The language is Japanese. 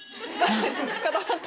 固まった。